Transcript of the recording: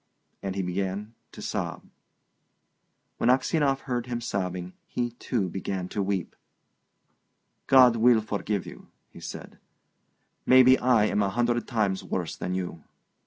And he began to sob. When Aksionov heard him sobbing he, too, began to weep. "God will forgive you!" said he. "Maybe I am a hundred times worse than you."